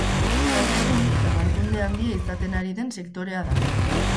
Gaur egun zabalkunde handia izaten ari den sektorea da.